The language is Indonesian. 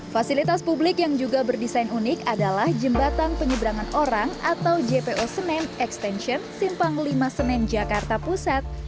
fasilitas publik yang juga berdesain unik adalah jembatan penyeberangan orang atau jpo senen extension simpang lima senen jakarta pusat